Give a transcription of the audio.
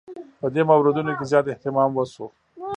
په دې موردونو کې زیات اهتمام وشو.